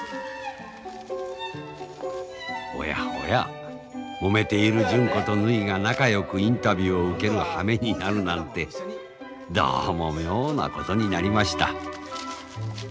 おやおやもめている純子とぬひが仲よくインタビューを受けるはめになるなんてどうも妙なことになりました。